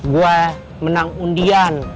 gue menang undian